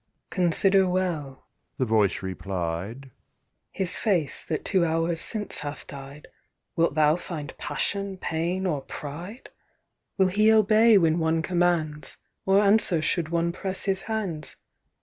"Consider well," the voice replied, "His face, that two hours since hath died; Wilt thou find passion, pain or pride? "Will he obey when one commands? Or answer should one press his hands?